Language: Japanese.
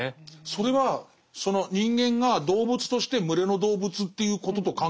それはその人間が動物として群れの動物っていうことと関係あるのかしら。